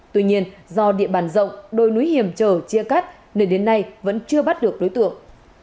tuy nhiên do địa bàn rộng đồi núi hiểm trở chia cắt nên đến nay vẫn chưa bắt được đối tượng